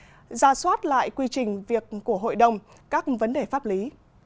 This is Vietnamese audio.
và ra soát lại quy trình việc của hội đồng các vấn đề pháp lý